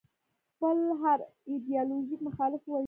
خپل هر ایدیالوژیک مخالف ووژني.